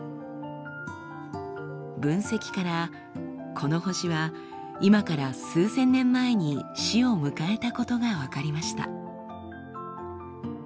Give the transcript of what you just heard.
分析からこの星は今から数千年前に死を迎えたことが分かりました。